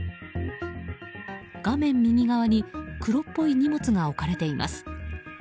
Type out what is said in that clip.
画面右側に黒っぽい荷物が置かれています。